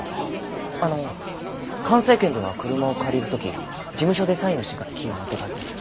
あの環生研では車を借りる時事務所でサインをしてからキーを持っていくはずです。